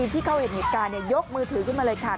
ที่เขาเห็นเหตุการณ์ยกมือถือขึ้นมาเลยค่ะ